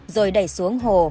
rồi đẩy xuống hồ